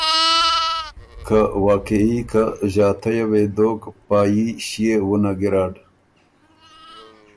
که واقعي که ݫاتئ یه وې دوک پا يي ݭيې وُنه ګیرډ۔